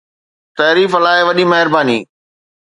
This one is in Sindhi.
تعريف لاءِ وڏي مهرباني